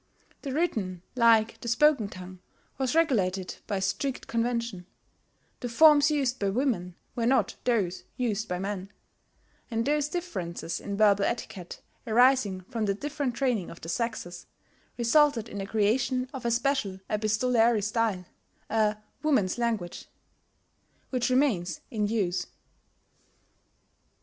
The written, like the spoken tongue, was regulated by strict convention: the forms used by women were not those used by men; and those differences in verbal etiquette arising from the different training of the sexes resulted in the creation of a special epistolary style, a "woman's language," which remains in use.